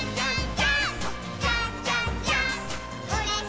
ジャンプ！！